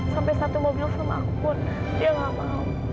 sampai satu mobil film aku pun dia nggak mau